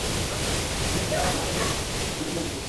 Shaharda sharoit ancha qulay deb qaynonamni qishda olib kelgan edik